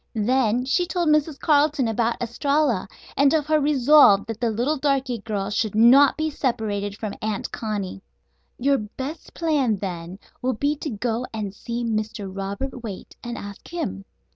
Then she told Mrs. Carleton about Estralla, and of her resolve that the little darky girl should not be separated from Aunt Connie. "Your best plan, then, will be to go and see Mr. Robert Waite and ask him.